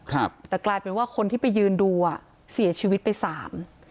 ครับแต่กลายเป็นว่าคนที่ไปยืนดูอ่ะเสียชีวิตไปสาม